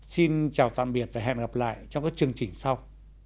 xin chào tạm biệt và hẹn gặp lại trong các chương trình sau